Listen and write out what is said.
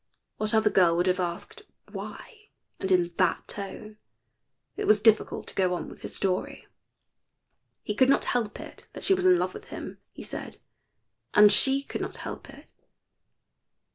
What other girl would have asked "Why?" and in that tone? It was difficult to go on with his story. "He could not help it that she was in love with him," he said. "And she could not help it."